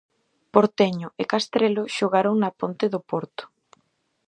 Porteño e Castrelo xogaron na Ponte do Porto.